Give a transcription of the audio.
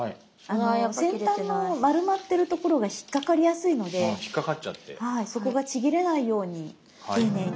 先端の丸まってるところが引っ掛かりやすいのでそこがちぎれないように丁寧に。